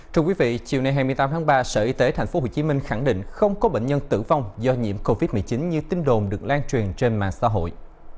thưa quý vị chiều nay hai mươi tám tháng ba sở y tế tp hcm khẳng định không có bệnh nhân tử vong do nhiễm covid một mươi chín như tin đồn được lan truyền trên mạng xã hội